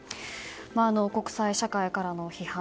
国際社会からの批判